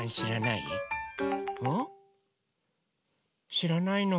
しらないの。